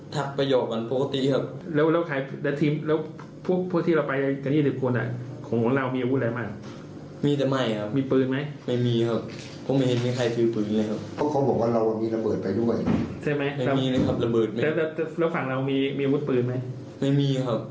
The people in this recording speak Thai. ตัวนี้ยังไม่มี